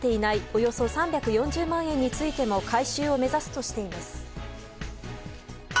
およそ３４０万円についても回収を目指すとしています。